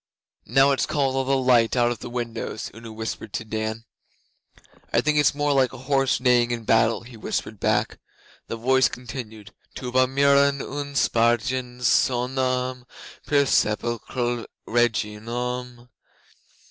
'Now it's calling all the light out of the windows,' Una whispered to Dan. 'I think it's more like a horse neighing in battle,' he whispered back. The voice continued: 'Tuba mirum spargens sonum Per sepulchre regionum.